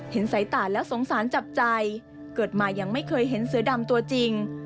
สายตาแล้วสงสารจับใจเกิดมายังไม่เคยเห็นเสือดำตัวจริง